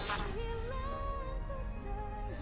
ayo pergi dari sini